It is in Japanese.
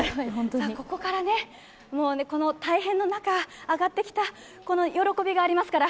ここから大変の中、上がってきた喜びがありますから。